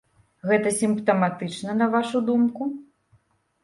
Гэта сімптаматычна, на вашу думку?